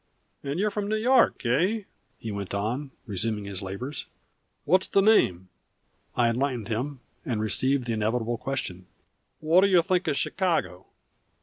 "And you're from New York, eh?" he went on, resuming his labors. "What's the name?" I enlightened him, and received the inevitable question. "Whaddyer think of Chicago?"